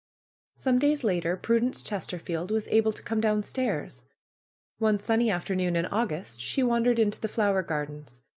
Some days later Prudence Chesterfield was able to come downstairs. One sunny afternoon in August she wandered into the fiower gardens.